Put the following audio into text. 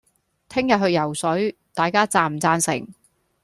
聽日去游水，大家贊唔贊成